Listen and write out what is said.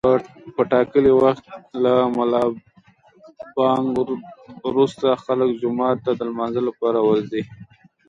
په ټاکلي وخت له ملابانګ روسته خلک جومات ته د لمانځه لپاره ورځي.